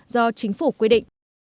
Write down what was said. do chính phủ quy định